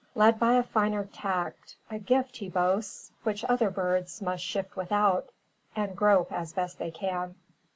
Led by a finer tact, a gift He boasts, which other birds must shift Without, and grope as best they can."